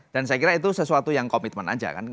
dan saya kira itu sesuatu yang komitmen saja kan